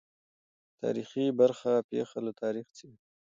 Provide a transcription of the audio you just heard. تاریخي برخه پېښه له تاریخه څېړي.